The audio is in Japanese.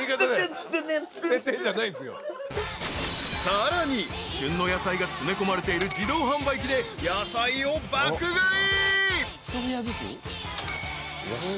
［さらに旬の野菜が詰め込まれている自動販売機で野菜を爆買い］